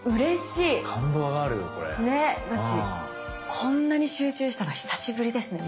こんなに集中したの久しぶりですでも。